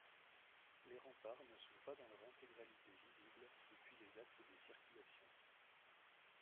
Les remparts ne sont pas dans leur intégralité visibles depuis les axes de circulation.